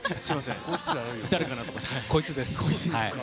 こいつです。